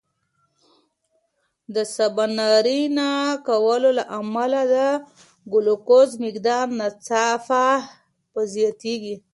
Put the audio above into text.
د سباناري نه کولو له امله د ګلوکوز مقدار ناڅاپه زیاتېږي.